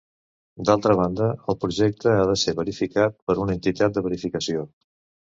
D'altra banda, el projecte ha de ser verificat per una entitat de verificació.